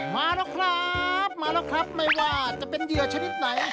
มาแล้วครับมาแล้วครับไม่ว่าจะเป็นเหยื่อชนิดไหน